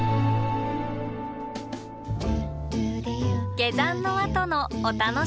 下山のあとのお楽しみ。